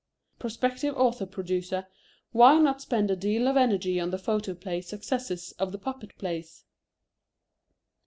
Prospective author producer, why not spend a deal of energy on the photoplay successors of the puppet plays?